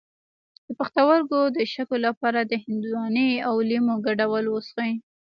د پښتورګو د شګو لپاره د هندواڼې او لیمو ګډول وڅښئ